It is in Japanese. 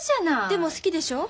でも好きでしょ？